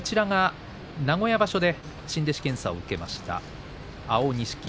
名古屋場所で新弟子検査を受けました安青錦。